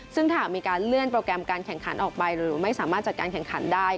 ซึ่งหากมีการเลื่อนโปรแกรมการแข่งขันออกไปหรือไม่สามารถจัดการแข่งขันได้